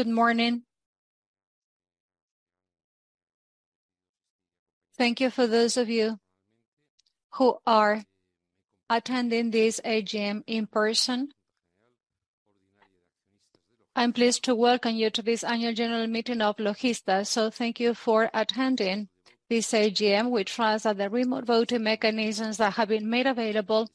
Good morning. Thank you for those of you who are attending this AGM in person. I'm pleased to welcome you to this annual general meeting of Logista. Thank you for attending this AGM. We trust that the remote voting mechanisms that have been made available,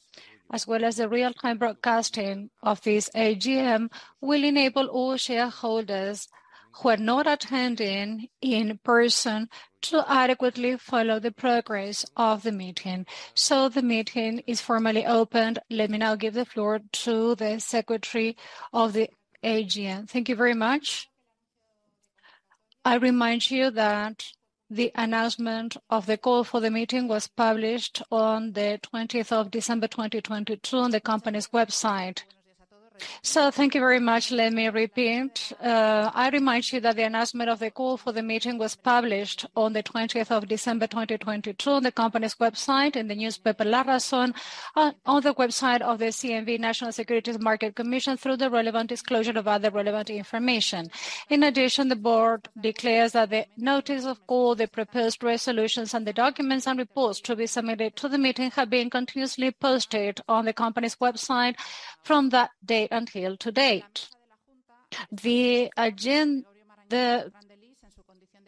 as well as the real-time broadcasting of this AGM, will enable all shareholders who are not attending in person to adequately follow the progress of the meeting. The meeting is formally opened. Let me now give the floor to the secretary of the AGM. Thank you very much. I remind you that the announcement of the call for the meeting was published on the 20th of December, 2022 on the company's website. Thank you very much. Let me repeat. I remind you that the announcement of the call for the meeting was published on the 20th of December, 2022 on the company's website and the newspaper La Razón, on the website of the CNV National Securities Market Commission through the relevant disclosure of other relevant information. In addition, the board declares that the notice of call, the proposed resolutions, and the documents and reports to be submitted to the meeting have been continuously posted on the company's website from that date until to date. The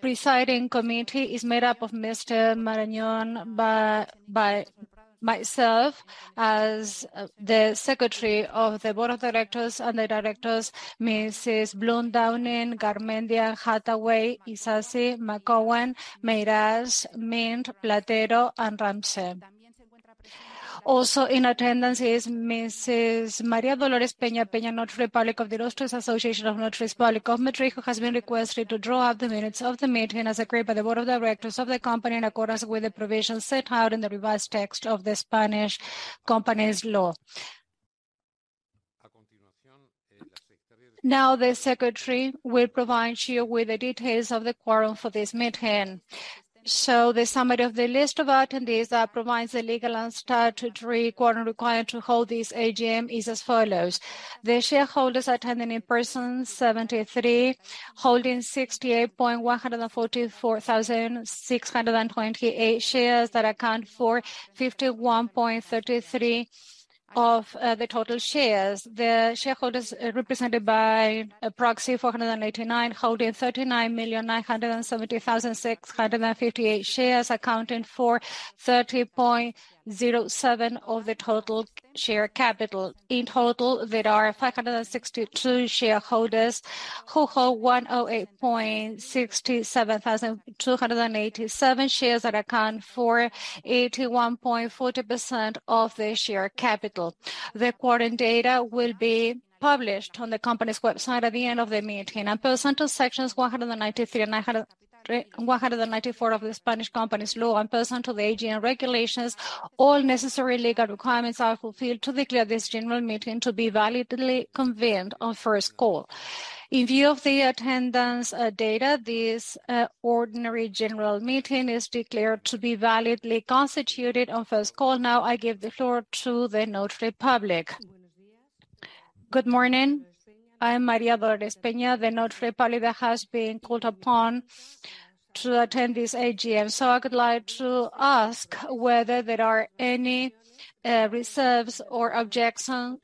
presiding committee is made up of Mr. Marañón, by myself as the Secretary of the Board of Directors and the directors, Mrs. Blohm, Downing, Garmendia, Hathaway, Isasi, McCain, Meraz, Minc, Platero, and Ramsey. Also in attendance is Mrs. María Dolores Peña Peña, Notary Public of the Ilustre Colegio Notarial de Madrid, who has been requested to draw up the minutes of the meeting, as agreed by the Board of Directors of the company in accordance with the provisions set out in the revised text of the Capital Companies Act. The secretary will provide you with the details of the quorum for this meeting. The summary of the list of attendees that provides the legal and statutory quorum required to hold this AGM is as follows. The shareholders attending in person, 73, holding 68,144,628 shares that account for 51.33% of the total shares. The shareholders, represented by a proxy, 489, holding 39,970,658 shares, accounting for 30.07% of the total share capital. In total, there are 562 shareholders who hold 108,672,287 shares that account for 81.4% of the share capital. The quorum data will be published on the company's website at the end of the meeting. Pursuant to sections 193 and 194 of the Spanish company's law, and pursuant to the AGM regulations, all necessary legal requirements are fulfilled to declare this general meeting to be validly convened on first call. In view of the attendance data, this ordinary general meeting is declared to be validly constituted on first call. I give the floor to the notary public. Good morning, I am María Dolores Peña, the notary public that has been called upon to attend this AGM. I would like to ask whether there are any reserves or objections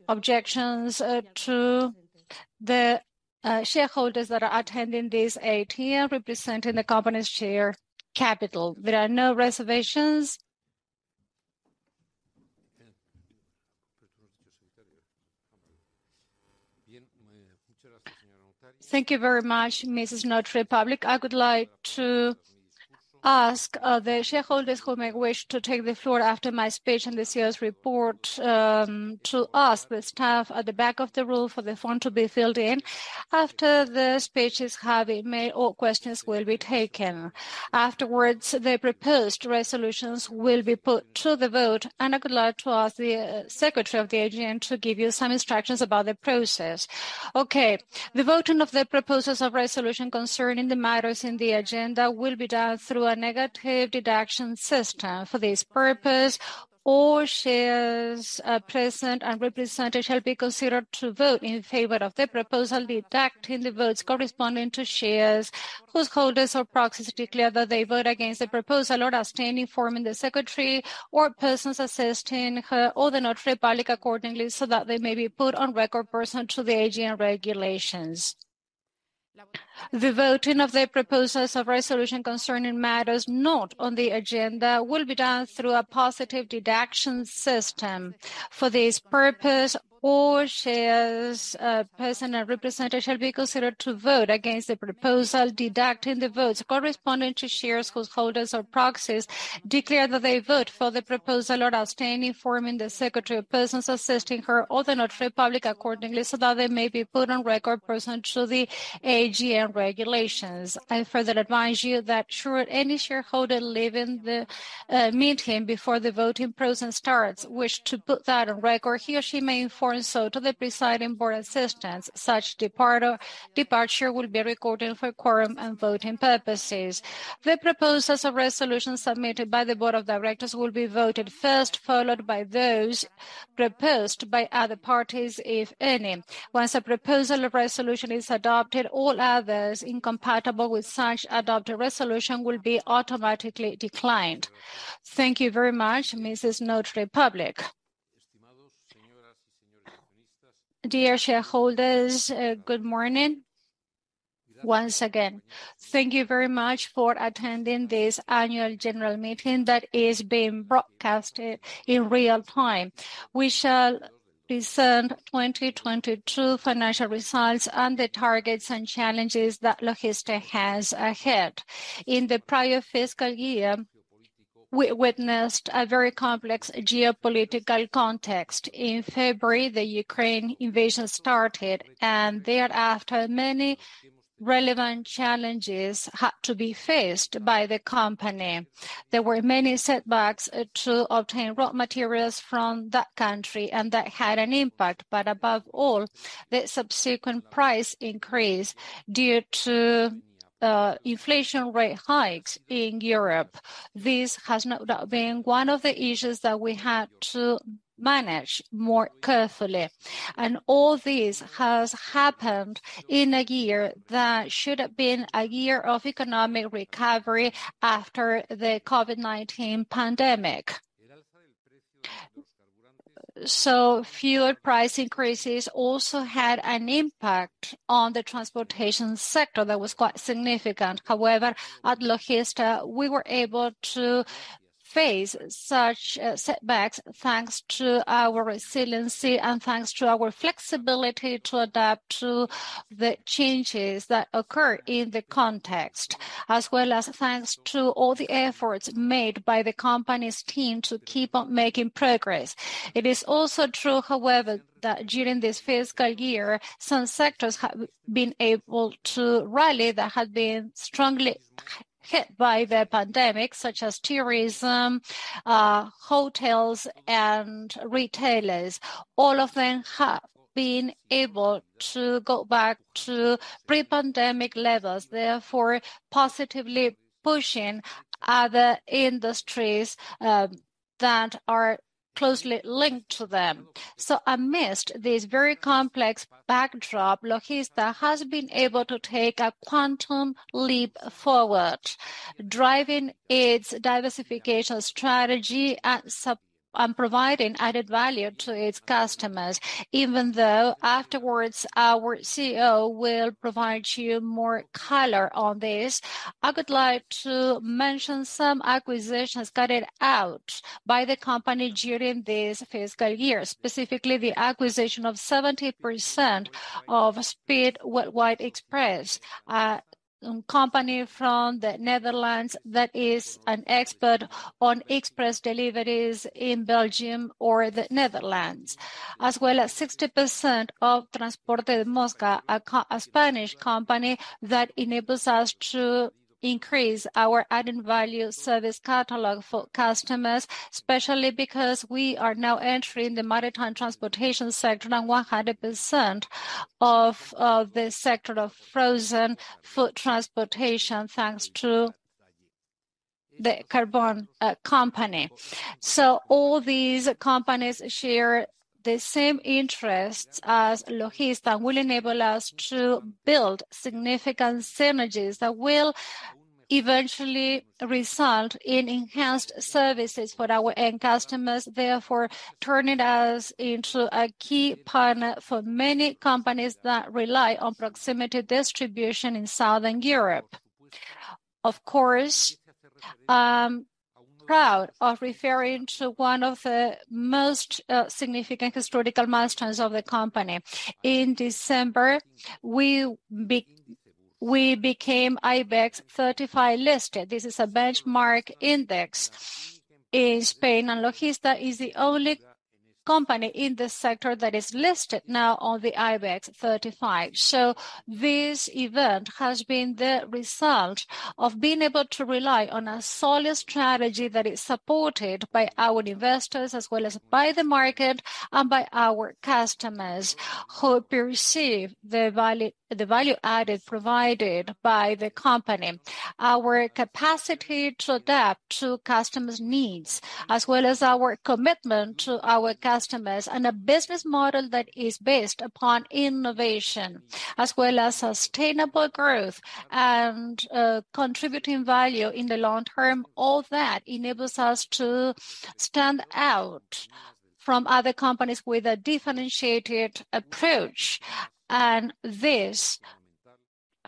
to the shareholders that are attending this AGM representing the company's share capital. There are no reservations. Thank you very much, Mrs. Notary Public. I would like to ask the shareholders who may wish to take the floor after my speech on this year's report to ask the staff at the back of the room for the form to be filled in. After the speeches have been made, all questions will be taken. The proposed resolutions will be put to the vote, and I would like to ask the secretary of the AGM to give you some instructions about the process. Okay. The voting of the proposals of resolution concerning the matters in the agenda will be done through a negative deduction system. For this purpose, all shares present and represented shall be considered to vote in favor of the proposal, deducting the votes corresponding to shares whose holders or proxies declare that they vote against the proposal or abstain, informing the secretary or persons assisting her or the notary public accordingly, so that they may be put on record pursuant to the AGM regulations. The voting of the proposals of resolution concerning matters not on the agenda will be done through a positive deduction system. For this purpose, all shares, present and represented shall be considered to vote against the proposal deducting the votes corresponding to shares whose holders or proxies declare that they vote for the proposal or abstain, informing the secretary or persons assisting her or the notary public accordingly, so that they may be put on record pursuant to the AGM regulations. I further advise you that should any shareholder leaving before the voting process starts wish to put that on record, he or she may inform so to the presiding board assistants. Such departure will be recorded for quorum and voting purposes. The proposals of resolution submitted by the board of directors will be voted first, followed by those proposed by other parties, if any. Once a proposal of resolution is adopted, all others incompatible with such adopted resolution will be automatically declined. Thank you very much, Mrs. Notary Public. Dear shareholders, good morning once again. Thank you very much for attending this annual general meeting that is being broadcasted in real time. We shall present 2022 financial results and the targets and challenges that Logista has ahead. In the prior fiscal year, we witnessed a very complex geopolitical context. In February, the Ukraine invasion started and thereafter many relevant challenges had to be faced by the company. There were many setbacks to obtain raw materials from that country, and that had an impact. Above all, the subsequent price increase due to inflation rate hikes in Europe. This has no doubt been one of the issues that we had to manage more carefully. All this has happened in a year that should have been a year of economic recovery after the COVID-19 pandemic. Fuel price increases also had an impact on the transportation sector that was quite significant. However, at Logista, we were able to face such setbacks thanks to our resiliency and thanks to our flexibility to adapt to the changes that occur in the context, as well as thanks to all the efforts made by the company's team to keep on making progress. It is also true, however, that during this fiscal year, some sectors have been able to rally that had been strongly hit by the pandemic, such as tourism, hotels and retailers. All of them have been able to go back to pre-pandemic levels, therefore positively pushing other industries that are closely linked to them. Amidst this very complex backdrop, Logista has been able to take a quantum leap forward, driving its diversification strategy and providing added value to its customers. Even though afterwards our CEO will provide you more color on this, I would like to mention some acquisitions carried out by the company during this fiscal year. Specifically, the acquisition of 70% of Speedlink Worldwide Express, a company from the Netherlands that is an expert on express deliveries in Belgium or the Netherlands, as well as 60% of Transportes El Mosca, a Spanish company that enables us to increase our added value service catalog for customers, especially because we are now entering the maritime transportation sector and 100% of the sector of frozen food transportation, thanks to the Carbó Collbatallé company. All these companies share the same interests as Logista, will enable us to build significant synergies that will eventually result in enhanced services for our end customers, therefore turning us into a key partner for many companies that rely on proximity distribution in Southern Europe. Of course, I'm proud of referring to one of the most significant historical milestones of the company. In December, we became IBEX 35 listed. This is a benchmark index in Spain, and Logista is the only company in this sector that is listed now on the IBEX 35. This event has been the result of being able to rely on a solid strategy that is supported by our investors as well as by the market and by our customers, who perceive the value added provided by the company. Our capacity to adapt to customers' needs, as well as our commitment to our customers, and a business model that is based upon innovation as well as sustainable growth and contributing value in the long term, all that enables us to stand out from other companies with a differentiated approach. This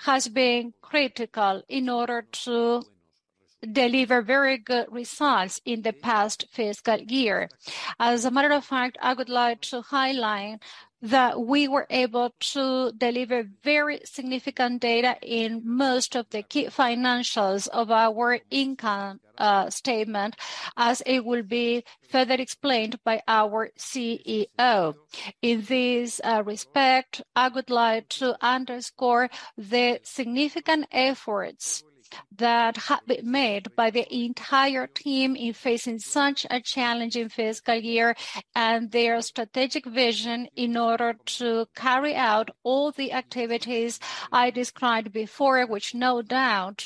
has been critical in order to deliver very good results in the past fiscal year. As a matter of fact, I would like to highlight that we were able to deliver very significant data in most of the key financials of our income statement, as it will be further explained by our CEO. In this respect, I would like to underscore the significant efforts that have been made by the entire team in facing such a challenging fiscal year and their strategic vision in order to carry out all the activities I described before, which no doubt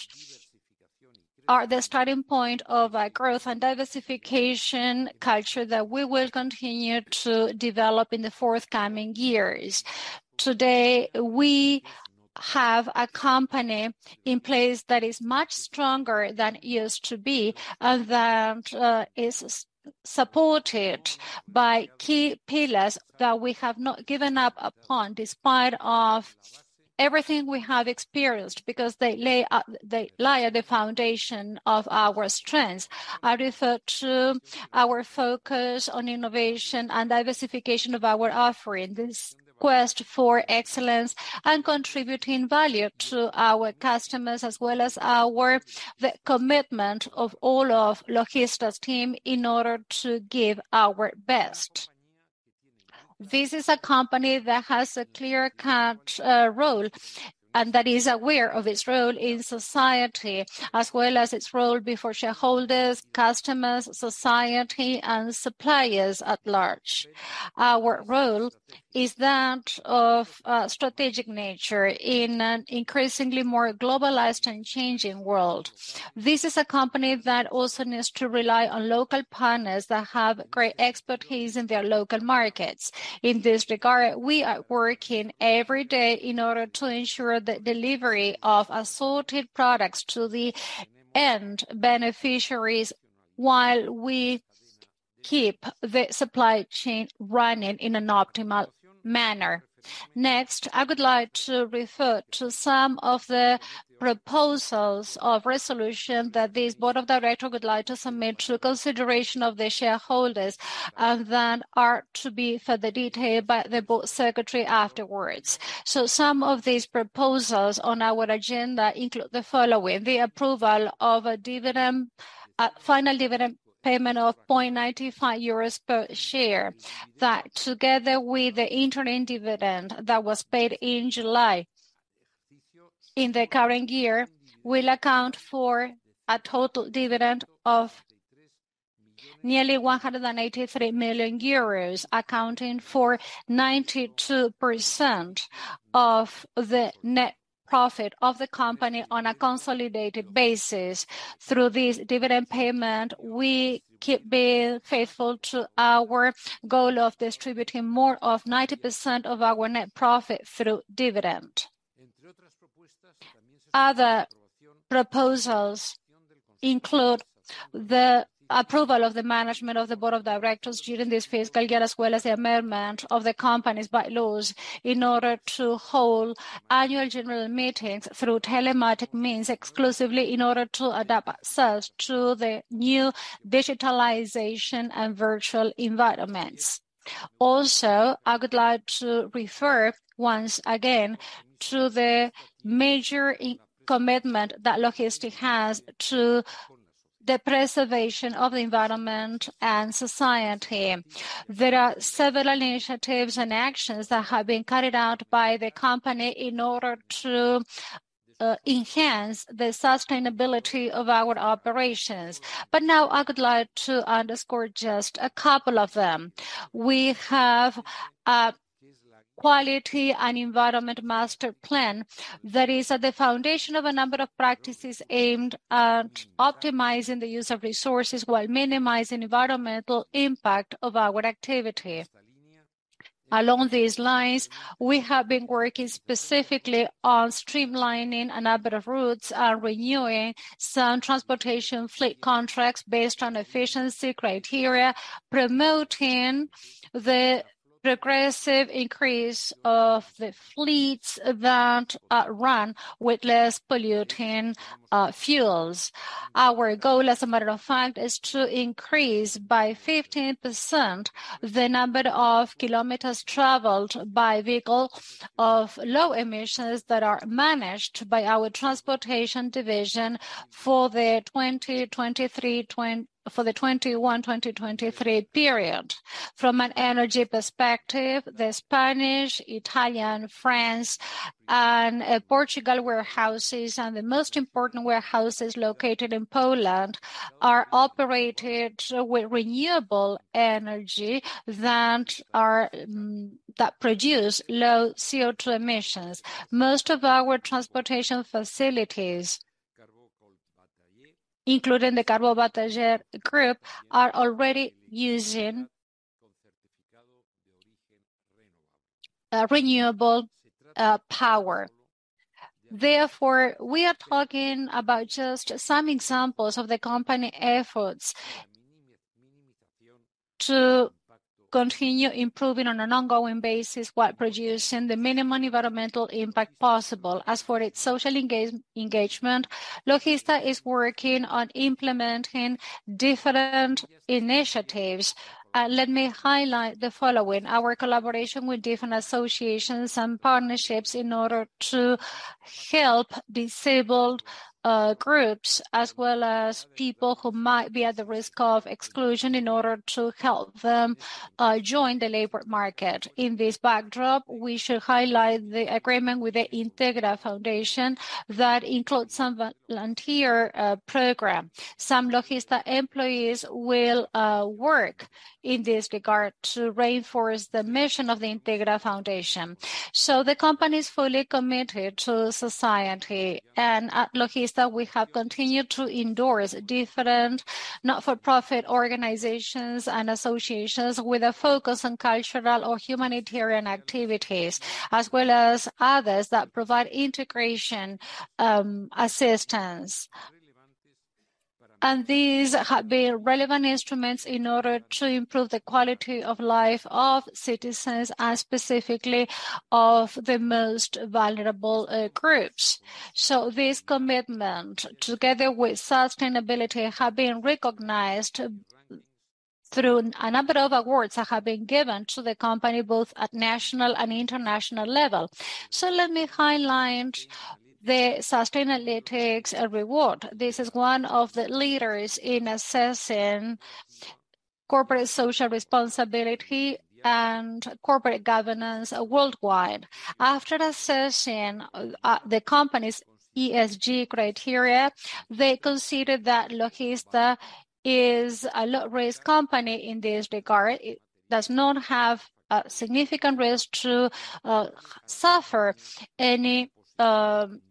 are the starting point of a growth and diversification culture that we will continue to develop in the forthcoming years. Today, we have a company in place that is much stronger than it used to be, and that is supported by key pillars that we have not given up upon despite of everything we have experienced, because they lie at the foundation of our strengths. I refer to our focus on innovation and diversification of our offering, this quest for excellence and contributing value to our customers, as well as our... the commitment of all of Logista's team in order to give our best. This is a company that has a clear-cut role, and that is aware of its role in society, as well as its role before shareholders, customers, society and suppliers at large. Our role is that of a strategic nature in an increasingly more globalized and changing world. This is a company that also needs to rely on local partners that have great expertise in their local markets. In this regard, we are working every day in order to ensure the delivery of assorted products to the end beneficiaries, while we keep the supply chain running in an optimal manner. Next, I would like to refer to some of the proposals of resolution that this Board of Directors would like to submit to the consideration of the shareholders, and then are to be further detailed by the board secretary afterwards. Some of these proposals on our agenda include the following: the approval of a dividend, a final dividend payment of 0.95 euros per share, that together with the interim dividend that was paid in July in the current year, will account for a total dividend of nearly 183 million euros, accounting for 92% of the net profit of the company on a consolidated basis. Through this dividend payment, we keep being faithful to our goal of distributing more of 90% of our net profit through dividend. Other proposals include the approval of the management of the Board of Directors during this fiscal year, as well as the amendment of the company's bylaws in order to hold annual general meetings through telematic means exclusively, in order to adapt ourselves to the new digitalization and virtual environments. I would like to refer once again to the major commitment that Logista has to the preservation of the environment and society. There are several initiatives and actions that have been carried out by the company in order to enhance the sustainability of our operations, but now I would like to underscore just a couple of them. We have a quality and environment master plan that is at the foundation of a number of practices aimed at optimizing the use of resources while minimizing environmental impact of our activity. Along these lines, we have been working specifically on streamlining a number of routes and renewing some transportation fleet contracts based on efficiency criteria, promoting the progressive increase of the fleets that run with less polluting fuels. Our goal, as a matter of fact, is to increase by 15% the number of kilometers traveled by vehicle of low emissions that are managed by our transportation division for the 2021-2023 period. From an energy perspective, the Spanish, Italian, France and Portugal warehouses, and the most important warehouse is located in Poland, are operated with renewable energy that produce low CO2 emissions. Most of our transportation facilities, including the Carbó Collbatallé group, are already using renewable power. Therefore, we are talking about just some examples of the company efforts to continue improving on an ongoing basis while producing the minimum environmental impact possible. As for its social engagement, Logista is working on implementing different initiatives. Let me highlight the following: Our collaboration with different associations and partnerships in order to help disabled groups, as well as people who might be at the risk of exclusion in order to help them join the labor market. In this backdrop, we should highlight the agreement with the Integra Foundation that includes some volunteer program. Some Logista employees will work in this regard to reinforce the mission of the Integra Foundation. The company is fully committed to society. At Logista, we have continued to endorse different not-for-profit organizations and associations with a focus on cultural or humanitarian activities, as well as others that provide integration assistance. These have been relevant instruments in order to improve the quality of life of citizens and specifically of the most vulnerable groups. This commitment, together with sustainability, have been recognized through a number of awards that have been given to the company, both at national and international level. Let me highlight the Sustainalytics Award. This is one of the leaders in assessing corporate social responsibility and corporate governance worldwide. After assessing the company's ESG criteria, they considered that Logista is a low-risk company in this regard. It does not have significant risk to suffer any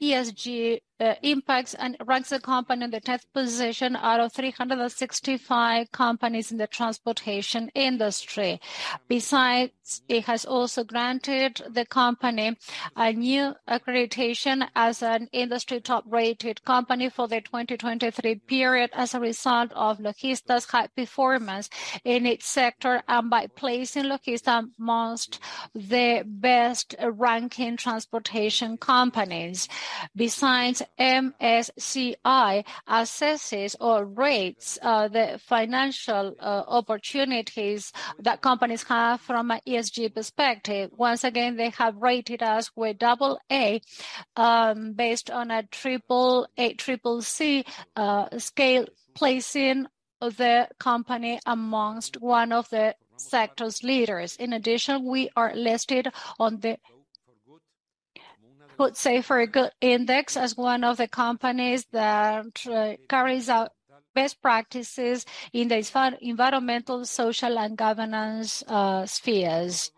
ESG impacts. It ranks the company in the 10th position out of 365 companies in the transportation industry. It has also granted the company a new accreditation as an industry top-rated company for the 2023 period as a result of Logista's high performance in its sector, and by placing Logista amongst the best-ranking transportation companies. MSCI assesses or rates the financial opportunities that companies have from an ESG perspective. Once again, they have rated us with AA based on an AAA, CCC scale, placing the company amongst one of the sector's leaders. In addition, we are listed on the. For good. let's say, for a good index as one of the companies that carries out best practices in the environmental, social, and governance spheres.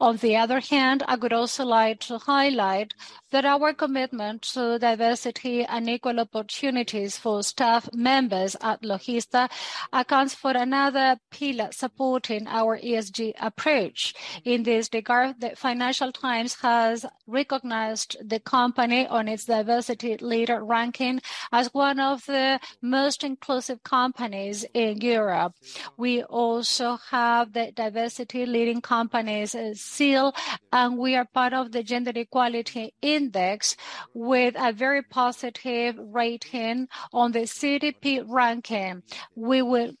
On the other hand, I would also like to highlight that our commitment to diversity and equal opportunities for staff members at Logista accounts for another pillar supporting our ESG approach. In this regard, the Financial Times has recognized the company on its Diversity Leader Ranking as one of the most inclusive companies in Europe. We also have the Diversity Leading Companies Seal, and we are part of the Gender Equality Index with a very positive rating on the CDP ranking. We will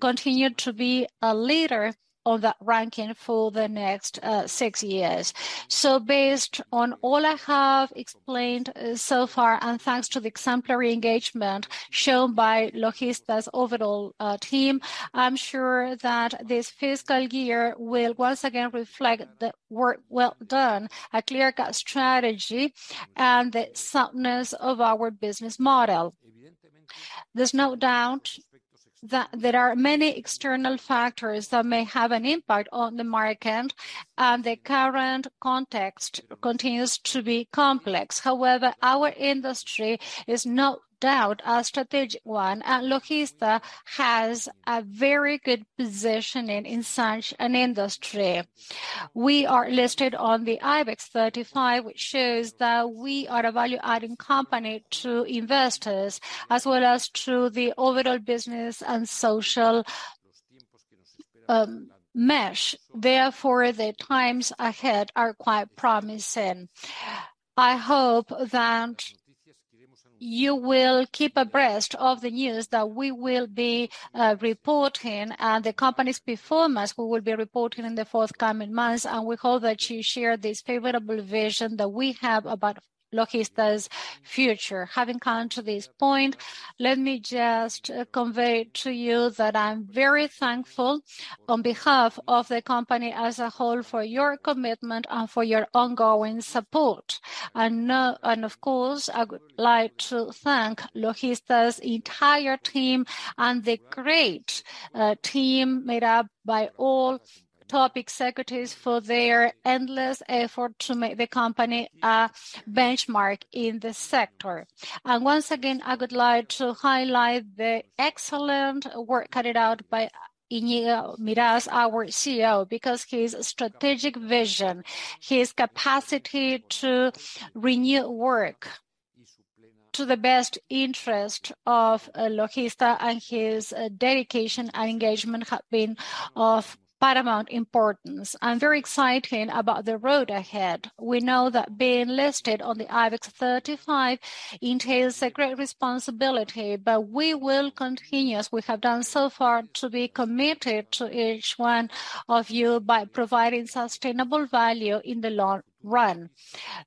continue to be a leader on that ranking for the next six years. Based on all I have explained so far, and thanks to the exemplary engagement shown by Logista's overall team, I'm sure that this fiscal year will once again reflect the work well done, a clear-cut strategy, and the soundness of our business model. There's no doubt that there are many external factors that may have an impact on the market, and the current context continues to be complex. However, our industry is no doubt a strategic one, and Logista has a very good positioning in such an industry. We are listed on the IBEX 35, which shows that we are a value-adding company to investors, as well as to the overall business and social mesh. The times ahead are quite promising. I hope that you will keep abreast of the news that we will be reporting and the company's performance, we will be reporting in the forthcoming months, and we hope that you share this favorable vision that we have about Logista's future. Having come to this point, let me just convey to you that I'm very thankful on behalf of the company as a whole for your commitment and for your ongoing support. Of course, I would like to thank Logista's entire team and the great team made up by all top executives for their endless effort to make the company a benchmark in the sector. Once again, I would like to highlight the excellent work carried out by Íñigo Meirás, our CEO, because his strategic vision, his capacity to renew work to the best interest of Logista and his dedication and engagement have been of paramount importance. I'm very excited about the road ahead. We know that being listed on the IBEX 35 entails a great responsibility, but we will continue, as we have done so far, to be committed to each one of you by providing sustainable value in the long run.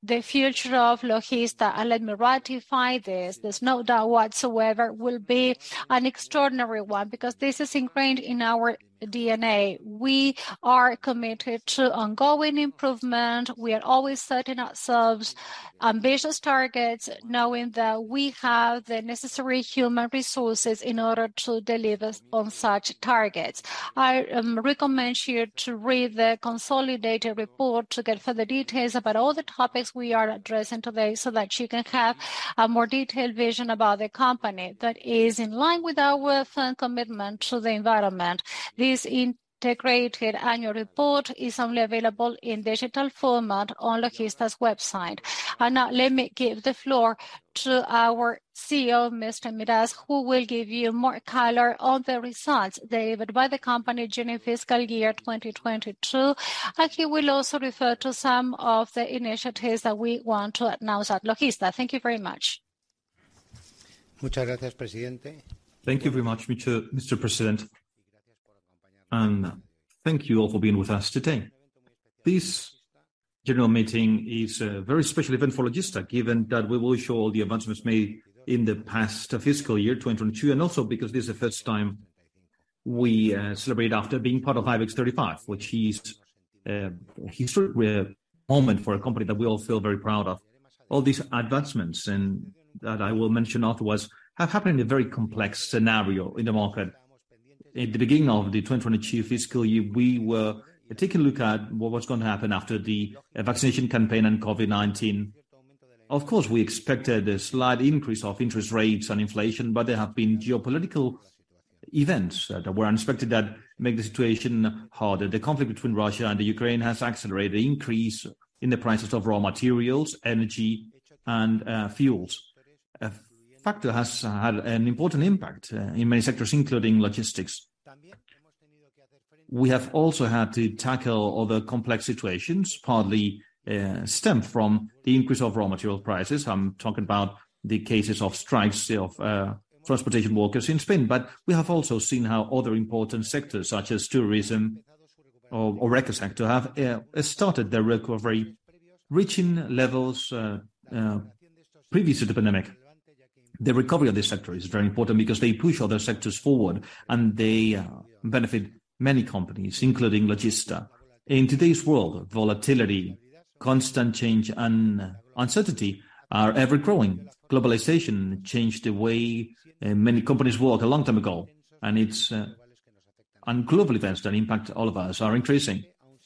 The future of Logista, and let me ratify this, there's no doubt whatsoever, will be an extraordinary one, because this is ingrained in our DNA. We are committed to ongoing improvement. We are always setting ourselves ambitious targets, knowing that we have the necessary human resources in order to deliver on such targets. I recommend you to read the consolidated report to get further details about all the topics we are addressing today, so that you can have a more detailed vision about the company that is in line with our firm commitment to the environment. This integrated annual report is only available in digital format on Logista's website. Now let me give the floor to our CEO, Mr. Meirás, who will give you more color on the results delivered by the company during fiscal year 2022, and he will also refer to some of the initiatives that we want to announce at Logista. Thank you very much. Thank you very much, Mr. President. Thank you all for being with us today. This general meeting is a very special event for Logista, given that we will show all the advancements made in the past fiscal year, 2022, because this is the first time we celebrate after being part of IBEX 35, which is a historic moment for a company that we all feel very proud of. All these advancements that I will mention afterwards, have happened in a very complex scenario in the market. At the beginning of the 2022 fiscal year, we were taking a look at what was going to happen after the vaccination campaign and COVID-19. Of course, we expected a slight increase of interest rates and inflation. There have been geopolitical events that were unexpected that make the situation harder. The conflict between Russia and Ukraine has accelerated the increase in the prices of raw materials, energy, and fuels. A factor has had an important impact in many sectors, including logistics. We have also had to tackle other complex situations, partly stemmed from the increase of raw material prices. I'm talking about the cases of strikes of transportation workers in Spain. We have also seen how other important sectors such as tourism or HORECA sector have started their recovery, reaching levels previous to the pandemic. The recovery of this sector is very important because they push other sectors forward, and they benefit many companies, including Logista. In today's world, volatility, constant change, and uncertainty are ever-growing. Globalization changed the way many companies work a long time ago, and it's... Global events that impact all of us are increasing.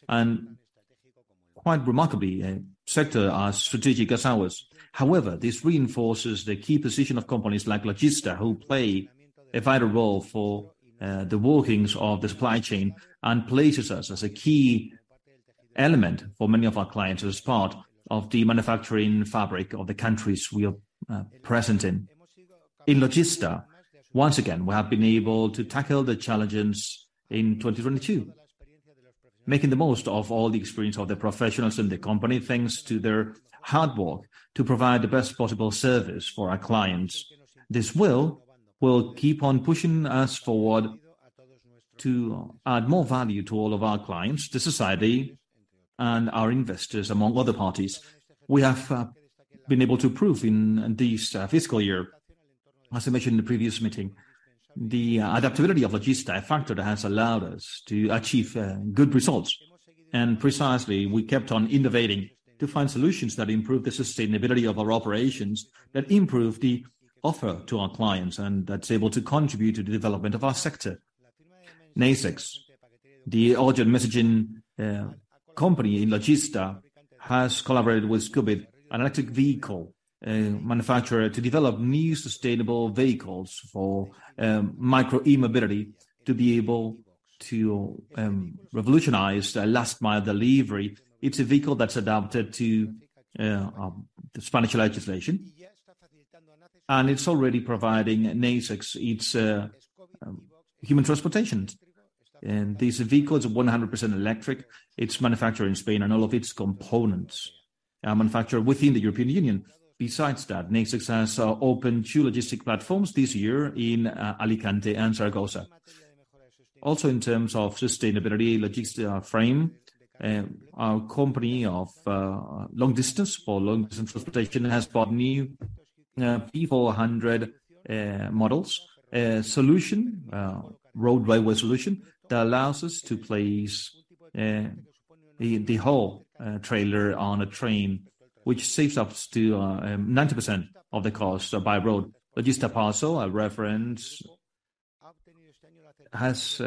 Quite remarkably, a sector as strategic as ours. However, this reinforces the key position of companies like Logista, who play a vital role for the workings of the supply chain and places us as a key element for many of our clients as part of the manufacturing fabric of the countries we are present in. In Logista, once again, we have been able to tackle the challenges in 2022, making the most of all the experience of the professionals in the company, thanks to their hard work to provide the best possible service for our clients. This will keep on pushing us forward to add more value to all of our clients, the society, and our investors, among other parties. We have been able to prove in this fiscal year, as I mentioned in the previous meeting, the adaptability of Logista, a factor that has allowed us to achieve good results. Precisely, we kept on innovating to find solutions that improve the sustainability of our operations, that improve the offer to our clients, and that's able to contribute to the development of our sector. Nacex, the urgent messaging company in Logista, has collaborated with Scoobic, an electric vehicle manufacturer, to develop new sustainable vehicles for micro e-mobility to be able to revolutionize the last mile delivery. It's a vehicle that's adapted to the Spanish legislation, and it's already providing Nacex its human transportation. This vehicle is 100% electric. It's manufactured in Spain, and all of its components are manufactured within the European Union. Besides that, Nacex has opened two logistic platforms this year in Alicante and Zaragoza. In terms of sustainability, Logista Freight, our company for long-distance transportation, has bought new P400 models. A solution, road railway solution that allows us to place the whole trailer on a train, which saves up to 90% of the cost by road. Logista Parcel, a reference, has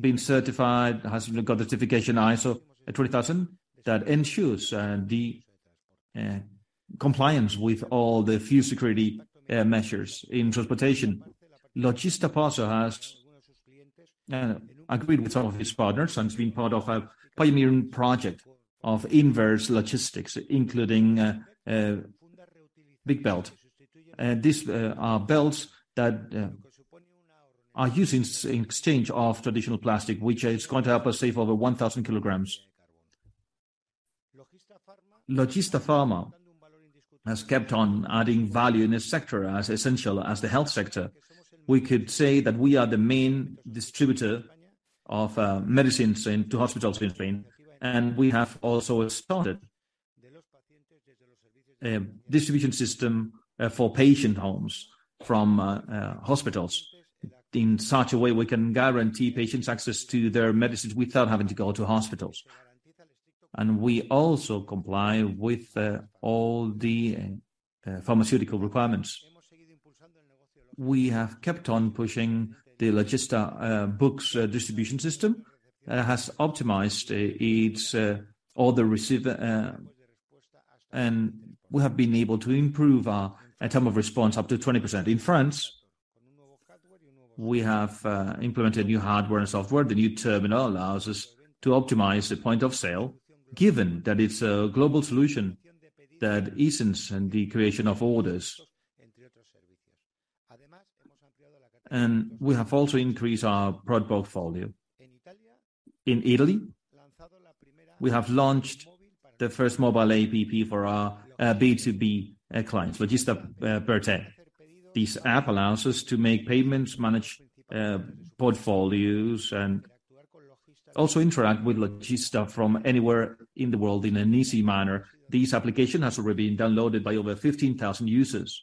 been certified, has got the certification ISO 30,000 that ensures the compliance with all the few security measures in transportation. Logista Parcel has agreed with some of his partners and has been part of a pioneering project of inverse logistics, including Big Bag. These are belts that are used in exchange of traditional plastic, which is going to help us save over 1,000 kilograms. Logista Pharma has kept on adding value in this sector as essential as the health sector. We could say that we are the main distributor of medicines to hospitals in Spain, and we have also started a distribution system for patient homes from hospitals. In such a way, we can guarantee patients access to their medicines without having to go to hospitals. We also comply with all the pharmaceutical requirements. We have kept on pushing the Logista books distribution system, and it has optimized its all the receiver. We have been able to improve our item of response up to 20%. In France, we have implemented new hardware and software. The new terminal allows us to optimize the point of sale, given that it's a global solution that easens the creation of orders. We have also increased our product portfolio. In Italy, we have launched the first mobile app for our B2B clients, Logista per te. This app allows us to make payments, manage portfolios, and also interact with Logista from anywhere in the world in an easy manner. This application has already been downloaded by over 15,000 users.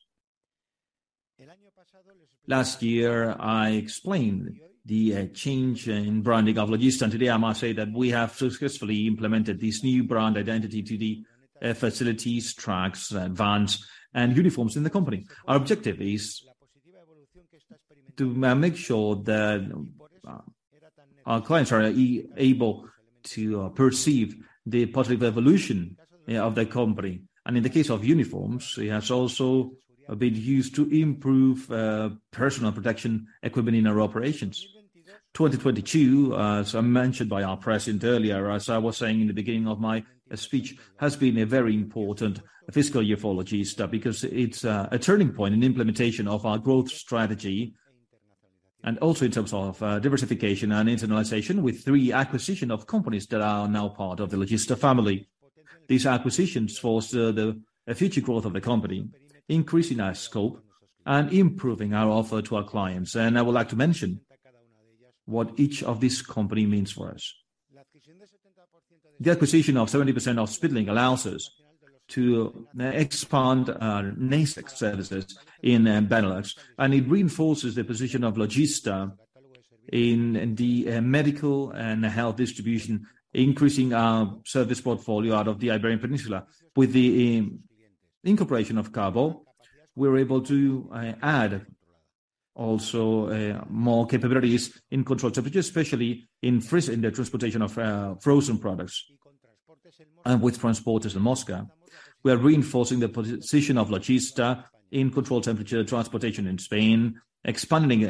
Last year, I explained the change in branding of Logista. Today, I must say that we have successfully implemented this new brand identity to the facilities, trucks, vans, and uniforms in the company. Our objective is to make sure that our clients are able to perceive the positive evolution of the company. In the case of uniforms, it has also been used to improve personal protection equipment in our operations. 2022, as mentioned by our president earlier, as I was saying in the beginning of my speech, has been a very important fiscal year for Logista because it's a turning point in implementation of our growth strategy and also in terms of diversification and internationalization with three acquisition of companies that are now part of the Logista family. These acquisitions force the future growth of the company, increasing our scope and improving our offer to our clients. I would like to mention what each of these company means for us. The acquisition of 70% of Speedlink allows us to expand our NASK services in Benelux. It reinforces the position of Logista in the medical and health distribution, increasing our service portfolio out of the Iberian Peninsula. With the incorporation of Carbó, we're able to add also more capabilities in controlled temperature, especially in the transportation of frozen products. With Transportes El Mosca, we are reinforcing the position of Logista in controlled temperature transportation in Spain, expanding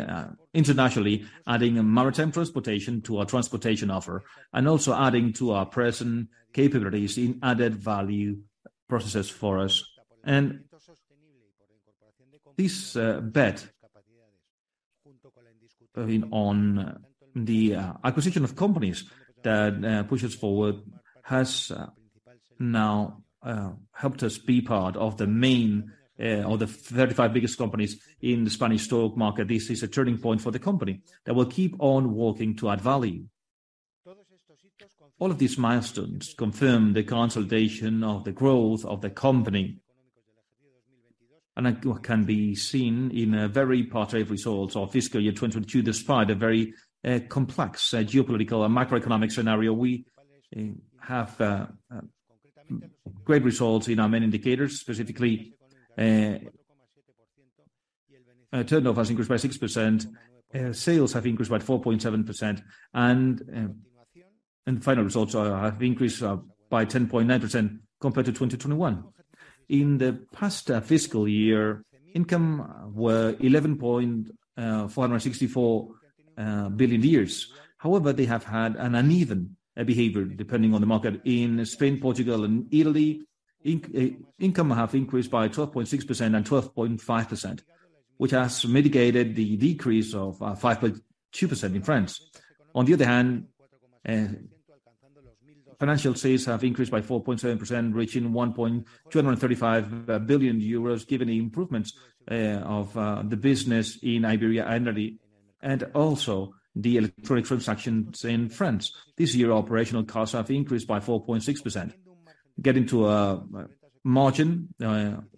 internationally, adding a maritime transportation to our transportation offer, also adding to our present capabilities in added value processes for us. This bet on the acquisition of companies that push us forward has now helped us be part of the main, or the 35 biggest companies in the Spanish stock market. This is a turning point for the company that will keep on working to add value. All of these milestones confirm the consolidation of the growth of the company and it can be seen in very positive results of fiscal year 2022, despite a very complex geopolitical and macroeconomic scenario. We have great results in our main indicators, specifically, turnover has increased by 6%, sales have increased by 4.7% and final results have increased by 10.9% compared to 2021. In the past fiscal year, income were 11.464 billion. However, they have had an uneven behavior depending on the market. In Spain, Portugal and Italy, income have increased by 12.6% and 12.5%, which has mitigated the decrease of 5.2% in France. On the other hand, financial sales have increased by 4.7%, reaching 1.235 billion euros, given the improvements of the business in Iberia and Italy, and also the electronic transactions in France. This year, operational costs have increased by 4.6%, getting to a margin on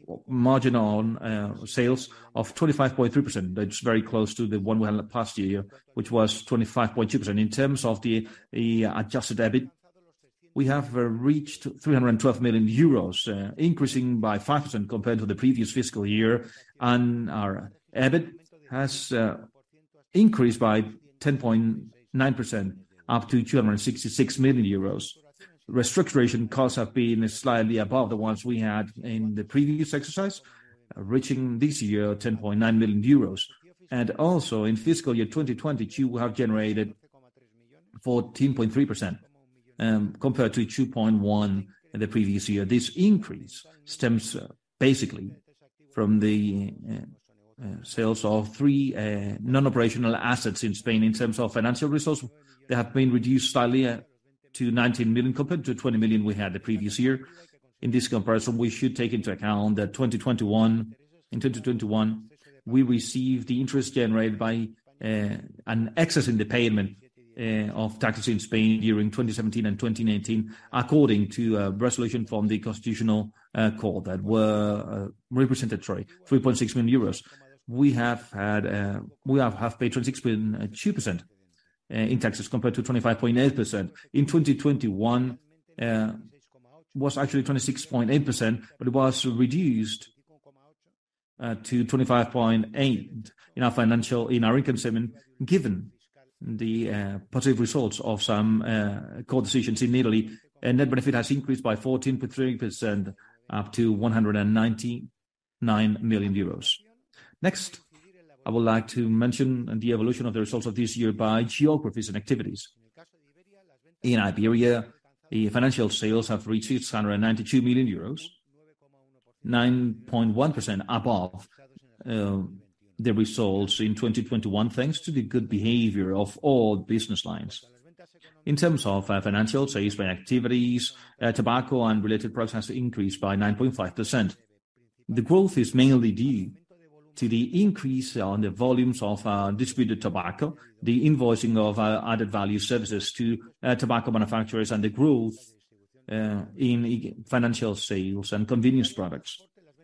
sales of 25.3%. That's very close to the one we had the past year, which was 25.2%. In terms of the adjusted EBIT, we have reached 312 million euros, increasing by 5% compared to the previous fiscal year. Our EBIT has increased by 10.9%. Up to 266 million euros. Restructuring costs have been slightly above the ones we had in the previous exercise, reaching this year 10.9 million euros. Also in fiscal year 2020 Q we have generated 14.3%, compared to 2.1% in the previous year. This increase stems basically from the sales of 3 non-operational assets in Spain. In terms of financial resources, they have been reduced slightly, to 19 million compared to 20 million we had the previous year. In this comparison, we should take into account that 2021... In 2020-2021, we received the interest generated by an excess in the payment of taxes in Spain during 2017 and 2019 according to a resolution from the Constitutional Court that were representatory 3.6 million euros. We have paid 26.2% in taxes compared to 25.8%. In 2021, was actually 26.8%, but it was reduced to 25.8% in our income statement. Given the positive results of some court decisions in Italy, net benefit has increased by 14.3% up to 199 million euros. I would like to mention the evolution of the results of this year by geographies and activities. In Iberia, the financial sales have reached 292 million euros, 9.1% above the results in 2021, thanks to the good behavior of all business lines. In terms of financial sales by activities, tobacco and related products increased by 9.5%. The growth is mainly due to the increase on the volumes of distributed tobacco, the invoicing of added value services to tobacco manufacturers and the growth in financial sales and convenience products.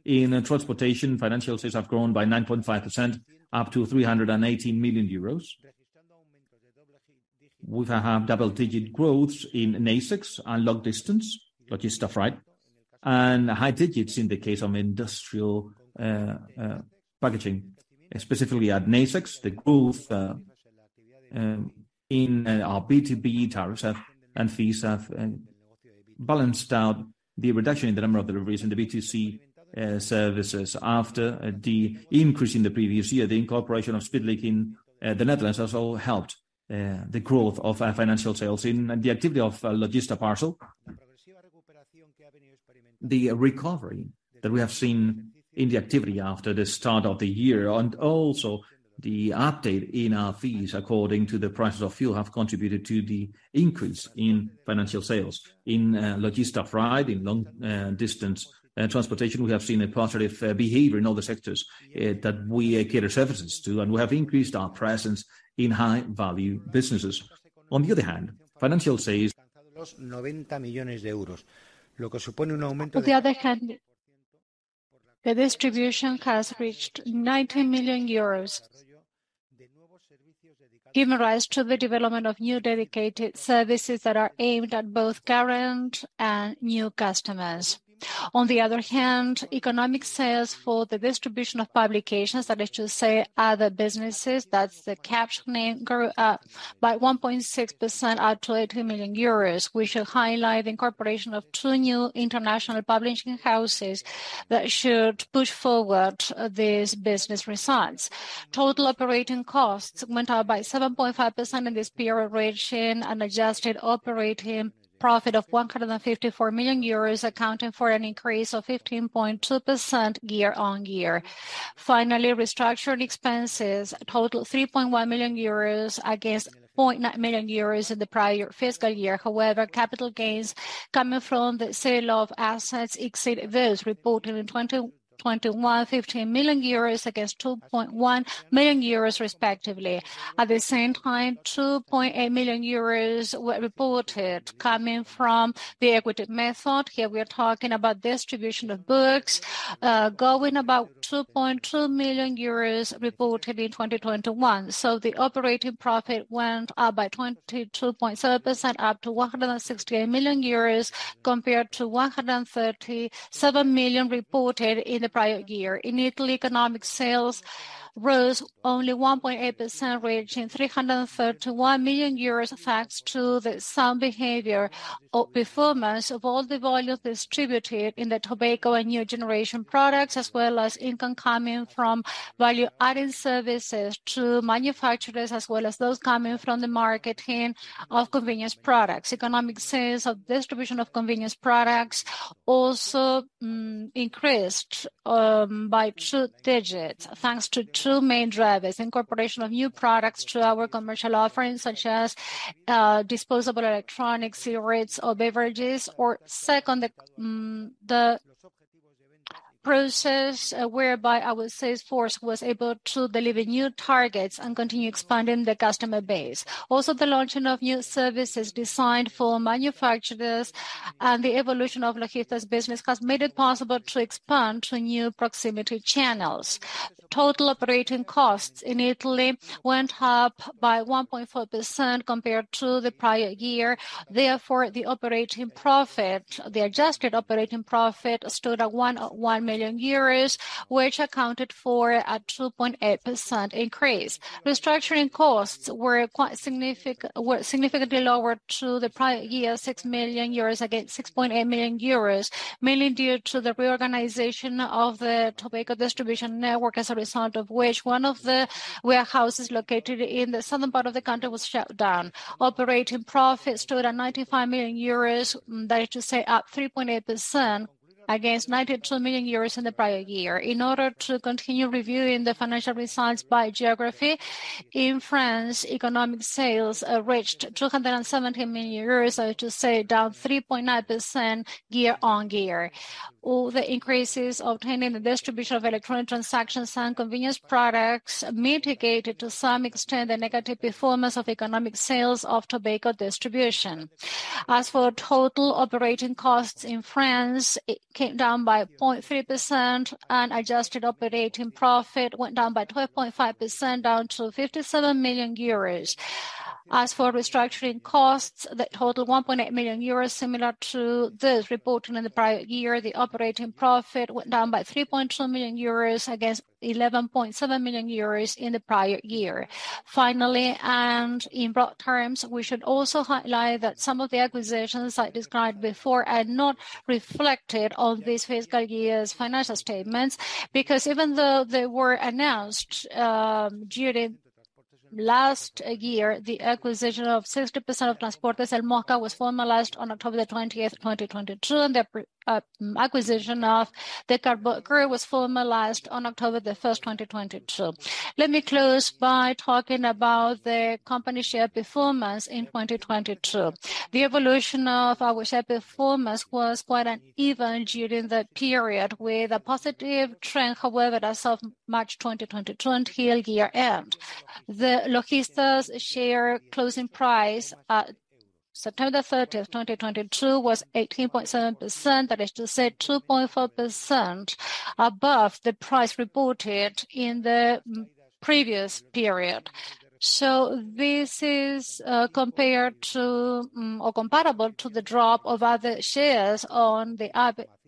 In transportation, financial sales have grown by 9.5% up to 318 million euros, with a half double-digit growth in Nacex and long distance, Logista Freight, and high digits in the case of industrial packaging. Specifically at Nacex, the growth in our B2B tariffs and fees have balanced out the reduction in the number of deliveries in the B2C services after the increase in the previous year. The incorporation of Speedlink in the Netherlands has all helped the growth of our financial sales. In the activity of Logista Parcel, the recovery that we have seen in the activity after the start of the year and also the update in our fees according to the prices of fuel, have contributed to the increase in financial sales. In Logista Freight, in long-distance transportation, we have seen a positive behavior in all the sectors that we cater services to, and we have increased our presence in high-value businesses. On the other hand, financial sales- The distribution has reached 90 million euros, given rise to the development of new dedicated services that are aimed at both current and new customers. Economic sales for the distribution of publications, that is to say other businesses, that's the captioning, grew by 1.6% up to 80 million euros. We should highlight the incorporation of two new international publishing houses that should push forward these business results. Total operating costs went up by 7.5% in this period, reaching an adjusted operating profit of 154 million euros, accounting for an increase of 15.2% year-on-year. Restructuring expenses totaled 3.1 million euros against 0.9 million euros in the prior fiscal year. Capital gains coming from the sale of assets exceeded those reported in 2021, 15 million euros against 2.1 million euros respectively. At the same time, 2.8 million euros were reported coming from the equity method. Here we are talking about distribution of books, going about 2.2 million euros reported in 2021. The operating profit went up by 22.7% up to 168 million euros, compared to 137 million reported in the prior year. In Italy, economic sales rose only 1.8%, reaching 331 million euros, thanks to the sound behavior or performance of all the volumes distributed in the tobacco and new generation products, as well as income coming from value-added services to manufacturers, as well as those coming from the marketing of convenience products. Economic sales of distribution of convenience products also increased, by two digits, thanks to two main drivers: incorporation of new products to our commercial offerings such as disposable electronics, e-cigs, or beverages, or second, the process whereby our sales force was able to deliver new targets and continue expanding the customer base. The launching of new services designed for manufacturers and the evolution of Logista's business has made it possible to expand to new proximity channels. Total operating costs in Italy went up by 1.4% compared to the prior year. The operating profit, the adjusted operating profit, stood at 1 million euros, which accounted for a 2.8% increase. Restructuring costs were significantly lower to the prior year, 6 million euros against 6.8 million euros, mainly due to the reorganization of the tobacco distribution network, as a result of which one of the warehouses located in the southern part of the country was shut down. Operating profit stood at 95 million euros, that is to say up 3.8% against 92 million euros in the prior year. In order to continue reviewing the financial results by geography, in France, economic sales reached 270 million euros, that is to say, down 3.9% year-on-year. All the increases obtained in the distribution of electronic transactions and convenience products mitigated to some extent the negative performance of economic sales of tobacco distribution. Total operating costs in France, it came down by 0.3%, and adjusted operating profit went down by 12.5%, down to 57 million euros. Restructuring costs, that totaled 1.8 million euros, similar to those reported in the prior year. The operating profit went down by 3.2 million euros against 11.7 million euros in the prior year. Finally, and in broad terms, we should also highlight that some of the acquisitions I described before are not reflected on this fiscal year's financial statements, because even though they were announced during last year, the acquisition of 60% of Transportes El Mosca was formalized on October 20th, 2022, and the acquisition of The Carbon Crew was formalized on October 1st, 2022. Let me close by talking about the company share performance in 2022. The evolution of our share performance was quite uneven during the period, with a positive trend, however, as of March 2022 until year-end. The Logista's share closing price at September 30, 2022 was 18.7%, that is to say, 2.4% above the price reported in the previous period. This is compared to, or comparable to the drop of other shares on the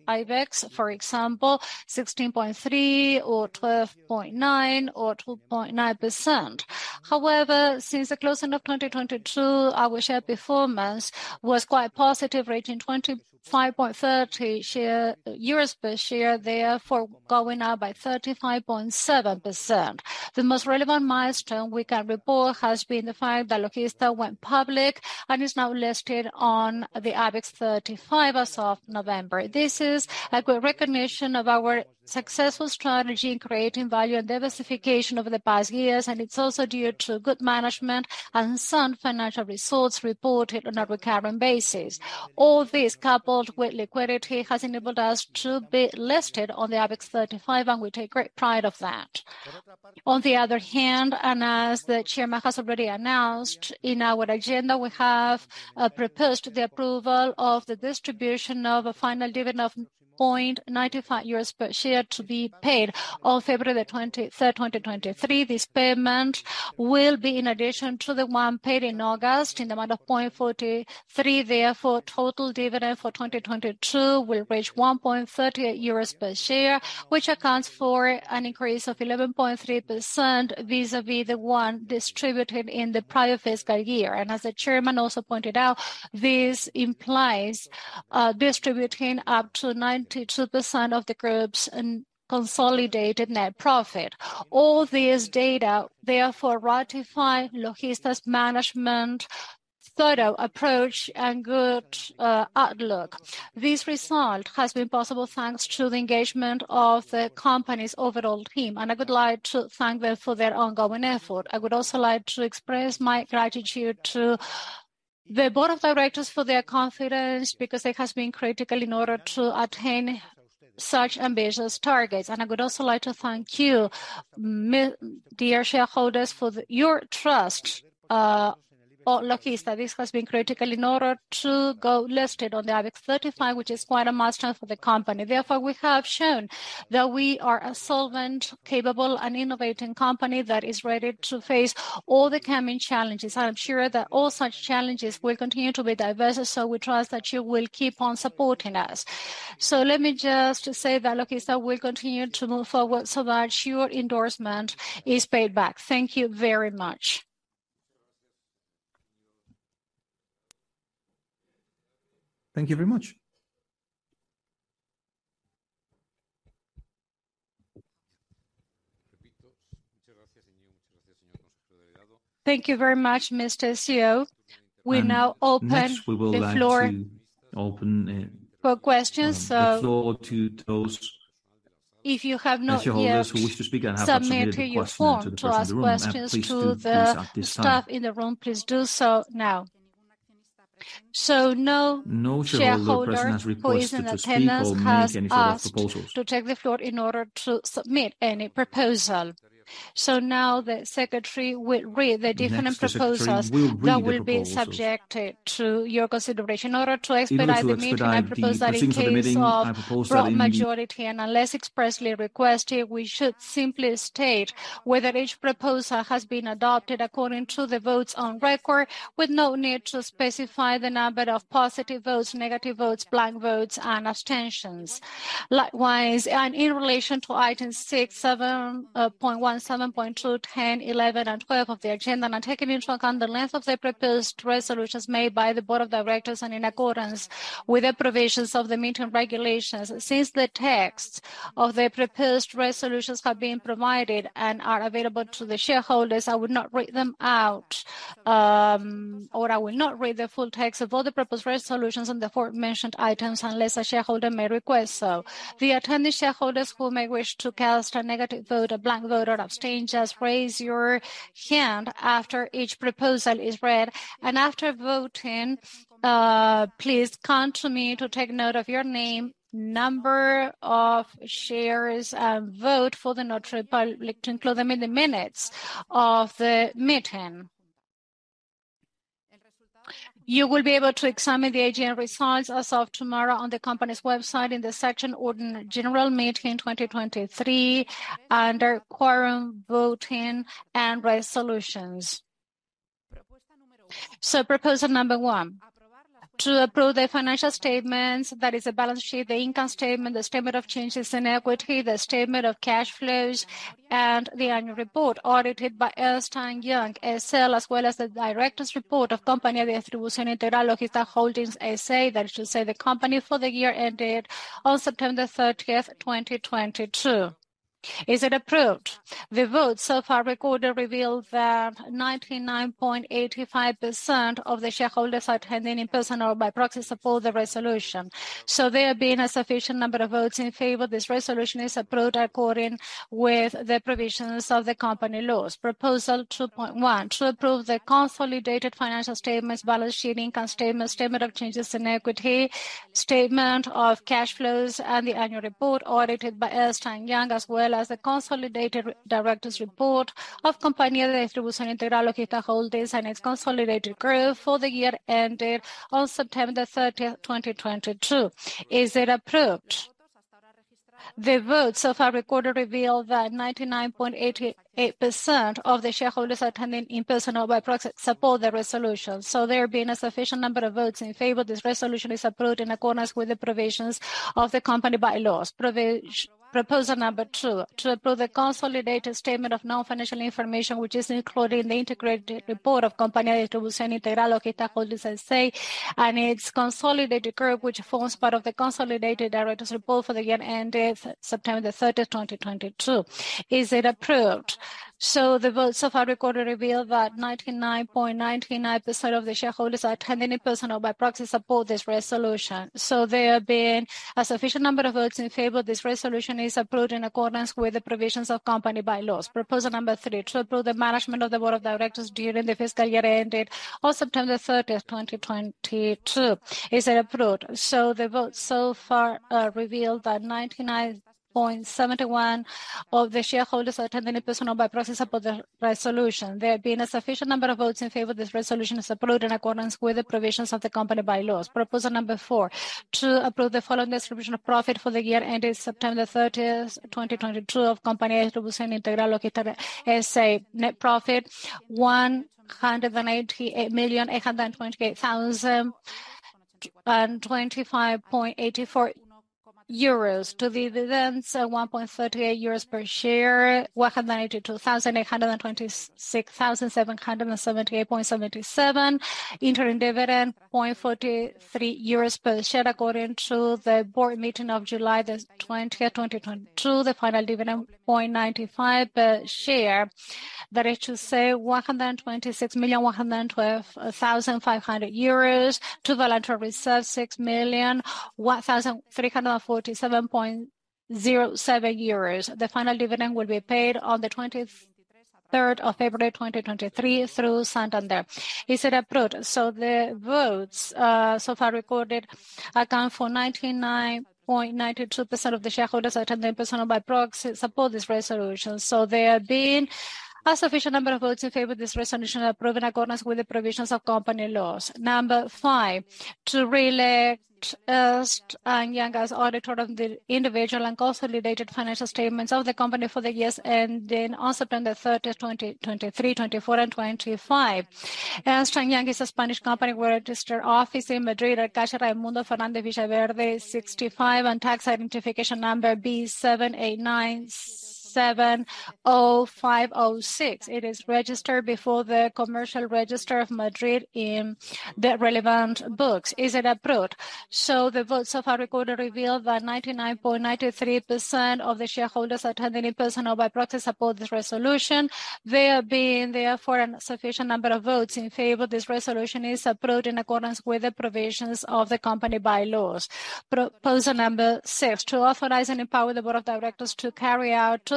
IBEX, for example, 16.3% or 12.9% or 2.9%. However, since the closing of 2022, our share performance was quite positive, reaching 25.30 euros per share, therefore going up by 35.7%. The most relevant milestone we can report has been the fact that Logista went public and is now listed on the IBEX 35 as of November. This is a good recognition of our successful strategy in creating value and diversification over the past years. It's also due to good management and sound financial results reported on a recurring basis. All this, coupled with liquidity, has enabled us to be listed on the IBEX 35. We take great pride of that. On the other hand, as the chairman has already announced, in our agenda, we have proposed the approval of the distribution of a final dividend of 0.95 euros per share to be paid on February 23, 2023. This payment will be in addition to the one paid in August in the amount of 0.43. Therefore, total dividend for 2022 will reach 1.38 euros per share, which accounts for an increase of 11.3% vis-à-vis the one distributed in the prior fiscal year. As the chairman also pointed out, this implies distributing up to 92% of the group's consolidated net profit. All this data therefore ratify Logista's management thorough approach and good outlook. This result has been possible thanks to the engagement of the company's overall team, and I would like to thank them for their ongoing effort. I would also like to express my gratitude to the board of directors for their confidence, because it has been critical in order to attain such ambitious targets. I would also like to thank you, dear shareholders, for your trust on Logista. This has been critical in order to go listed on the IBEX 35, which is quite a milestone for the company. Therefore, we have shown that we are a solvent, capable, and innovating company that is ready to face all the coming challenges. I'm sure that all such challenges will continue to be diverse, so we trust that you will keep on supporting us. Let me just say that Logista will continue to move forward so that your endorsement is paid back. Thank you very much. Thank you very much, Mr. CEO. We now open the floor for questions. The floor to those shareholders who wish to speak and have not submitted a question. If you have not yet submitted your form to the person in the room to ask questions to the staff in the room, please do so now. No shareholder who is in attendance has asked to take the floor in order to submit any proposal. Next, the secretary will read the proposals that will be subjected to your consideration. In order to expedite the proceedings of the meeting, I propose that in case of broad majority, and unless expressly requested, we should simply state whether each proposal has been adopted according to the votes on record, with no need to specify the number of positive votes, negative votes, blank votes, and abstentions. Likewise, in relation to items 6, 7.1, 7.2, 10, 11, and 12 of the agenda, taking into account the length of the proposed resolutions made by the board of directors and in accordance with the provisions of the meeting regulations, since the texts of the proposed resolutions have been provided and are available to the shareholders, I would not read them out, or I will not read the full text of all the proposed resolutions on the aforementioned items unless a shareholder may request so. The attending shareholders who may wish to cast a negative vote, a blank vote, or abstain, just raise your hand after each proposal is read. After voting, please come to me to take note of your name, number of shares, and vote for the Notary Public to include them in the minutes of the meeting. You will be able to examine the AGM results as of tomorrow on the company's website in the section Ordinary General Meeting 2023 under Quorum, Voting, and Resolutions. Proposal number one, to approve the financial statements, that is the balance sheet, the income statement, the statement of changes in equity, the statement of cash flows, and the annual report audited by Ernst & Young, S.L., as well as the directors' report of Compañía de Distribución Integral Logista Holdings, S.A., that is to say the Company, for the year ended on September 30, 2022. Is it approved? The votes so far recorded reveal that 99.85% of the shareholders attending in person or by proxy support the resolution. There being a sufficient number of votes in favor, this resolution is approved according with the provisions of the company laws. Proposal 2.1, to approve the consolidated financial statements, balance sheet, income statement of changes in equity, statement of cash flows, and the annual report audited by Ernst & Young, as well as the consolidated directors' report of Compañía de Distribución Integral, Logista Holdings and its consolidated group for the year ended on September 30, 2022. Is it approved? The votes so far recorded reveal that 99.88% of the shareholders attending in person or by proxy support the resolution. There being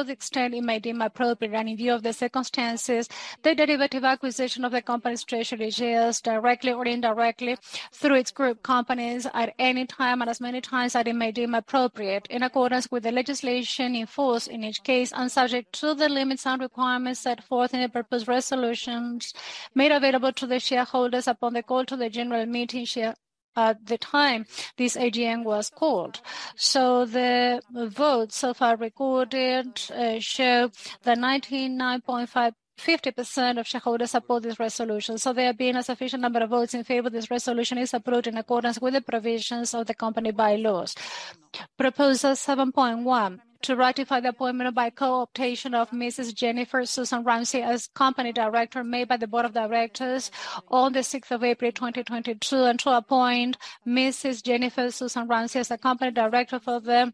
the extent it may deem appropriate and in view of the circumstances, the derivative acquisition of the company's treasury shares, directly or indirectly through its group companies, at any time and as many times as it may deem appropriate in accordance with the legislation in force in each case and subject to the limits and requirements set forth in the purpose resolutions made available to the shareholders upon the call to the general meeting share at the time this AGM was called. The votes so far recorded, show that 99.50% of shareholders support this resolution. There being a sufficient number of votes in favor, this resolution is approved in accordance with the provisions of the company bylaws. Proposal 7.1, to ratify the appointment by co-optation of Mrs. Jennifer Susan Ramsey as company director made by the board of directors on the 6th of April 2022, and to appoint Mrs. Jennifer Susan Ramsey as a company director for the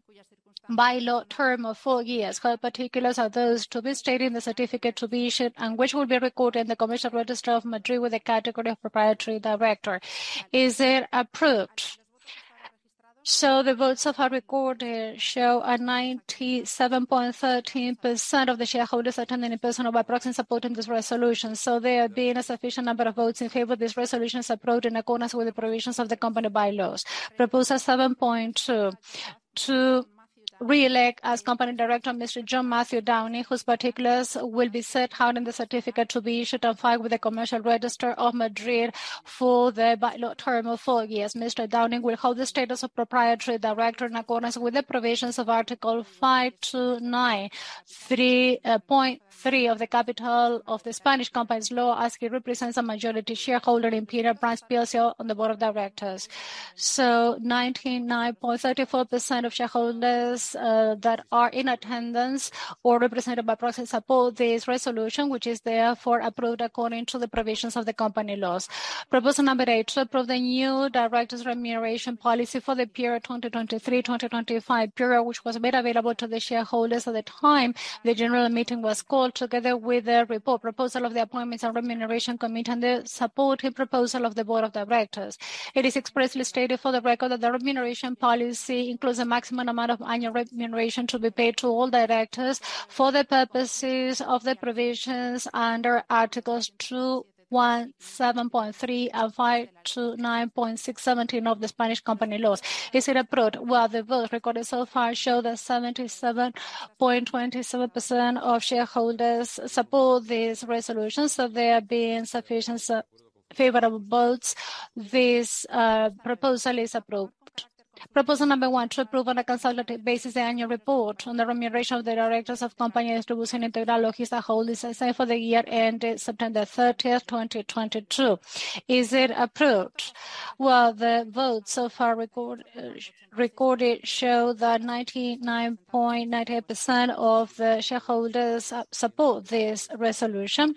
bylaw term of four years. All particulars are those to be stated in the certificate to be issued and which will be recorded in the Commercial Register of Madrid with the category of proprietary director. Is it approved? The votes so far recorded show a 97.13% of the shareholders attending in person or by proxy supporting this resolution. There being a sufficient number of votes in favor, this resolution is approved in accordance with the provisions of the company bylaws. Proposal 7.2, to re-elect as company director, Mr. John Matthew Downing, whose particulars will be set out in the certificate to be issued on file with the Commercial Register of Madrid for the term of 4 years. Mr. Downing will hold the status of Proprietary Director in accordance with the provisions of Article 529, point 3 of the capital of the Spanish company's law, as he represents a majority shareholder in Imperial Brands PLC on the board of directors. 99.34% of shareholders that are in attendance or represented by proxy support this resolution, which is therefore approved according to the provisions of the company laws. Proposal number 8, to approve the new directors remuneration policy for the 2023-2025 period, which was made available to the shareholders at the time the general meeting was called together with the report proposal of the Appointments and Remuneration Committee and the supporting proposal of the board of directors. It is expressly stated for the record that the remuneration policy includes a maximum amount of annual remuneration to be paid to all directors for the purposes of the provisions under Articles 217.3 and 529.6.17 of the Spanish company laws. Is it approved? The votes recorded so far show that 77.27% of shareholders support this resolution. There have been sufficient favorable votes. This proposal is approved. Proposal number 1, to approve on a consolidated basis the annual report on the remuneration of the directors of Compañía de Distribución y Tecnología, Holdco, SA, for the year ended September 30th, 2022. Is it approved? Well, the votes so far recorded show that 99.98% of the shareholders support this resolution.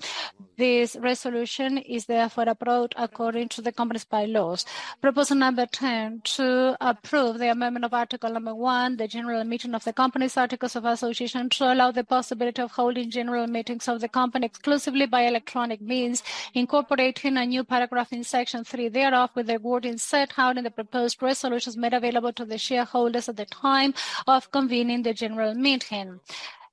This resolution is therefore approved according to the company's bylaws. Proposal number 10, to approve the amendment of article number 1, the general meeting of the company's articles of association, to allow the possibility of holding general meetings of the company exclusively by electronic means, incorporating a new paragraph in section 3 thereof, with the wording set out in the proposed resolutions made available to the shareholders at the time of convening the general meeting.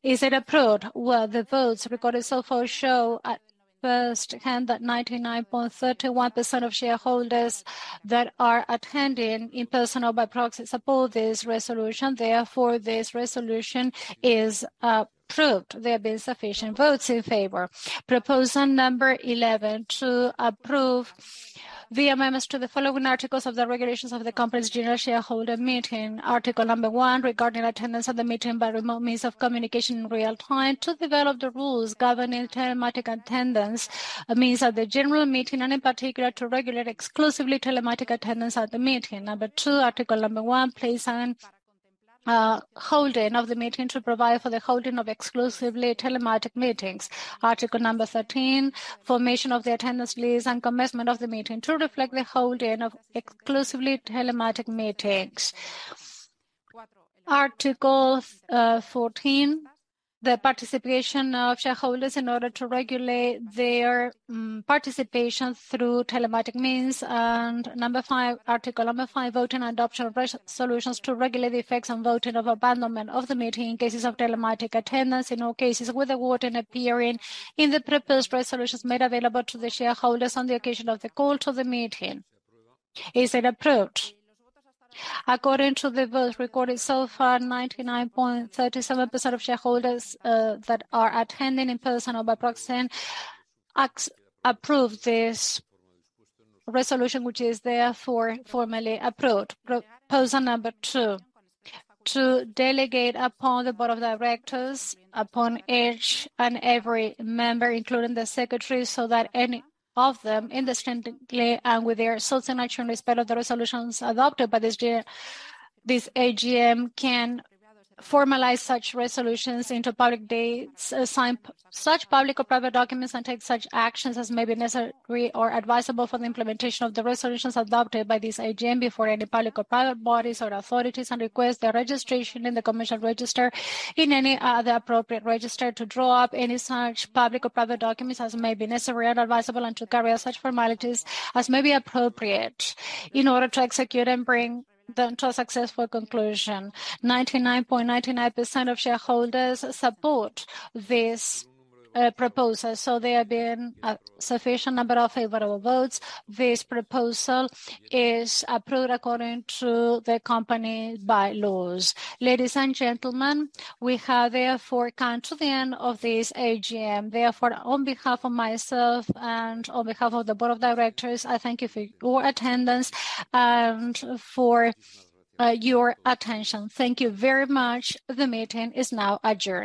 Is it approved? Well, the votes recorded so far show at firsthand that 99.31% of shareholders that are attending in person or by proxy support this resolution. Therefore, this resolution is approved. There have been sufficient votes in favor. Proposal 11, to approve the amendments to the following articles of the regulations of the company's general shareholder meeting. Article 1, regarding attendance at the meeting by remote means of communication in real time, to develop the rules governing telematic attendance means at the general meeting, and in particular to regulate exclusively telematic attendance at the meeting. 2, Article 1, place and holding of the meeting to provide for the holding of exclusively telematic meetings. Article 13, formation of the attendance list and commencement of the meeting to reflect the holding of exclusively telematic meetings. Article 14, the participation of shareholders in order to regulate their participation through telematic means. Number 5, article 5, voting and adoption of resolutions to regulate the effects on voting of abandonment of the meeting in cases of telematic attendance, in all cases with the wording appearing in the proposed resolutions made available to the shareholders on the occasion of the call to the meeting. Is it approved? According to the votes recorded so far, 99.37% of shareholders that are attending in person or by proxy approve this resolution, which is therefore formally approved. Proposal number 2, to delegate upon the board of directors, upon each and every member, including the secretary, that any of them independently and with their sole sanction, in respect of the resolutions adopted by this AGM can formalize such resolutions into public deeds, sign such public or private documents and take such actions as may be necessary or advisable for the implementation of the resolutions adopted by this AGM before any public or private bodies or authorities, and request the registration in the Commercial Register in any other appropriate register to draw up any such public or private documents as may be necessary and advisable, and to carry out such formalities as may be appropriate in order to execute and bring them to a successful conclusion. 99.99% of shareholders support this proposal. There have been a sufficient number of favorable votes. This proposal is approved according to the company bylaws. Ladies and gentlemen, we have therefore come to the end of this AGM. Therefore, on behalf of myself and on behalf of the board of directors, I thank you for your attendance and for your attention. Thank you very much. The meeting is now adjourned.